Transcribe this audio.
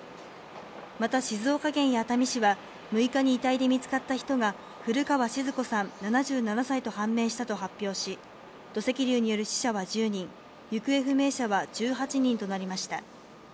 また静岡県や熱海市は、６日に遺体で見つかった人が古川靜子さん、７７歳と判明したと発表し、土石流による死者は１０人、行方不明者は１８人となりました。